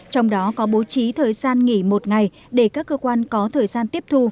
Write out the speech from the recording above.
trong đó có bố trí thời gian nghỉ một ngày để các cơ quan có thời gian tiếp thu